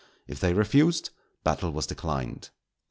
If they refused, battle was declined.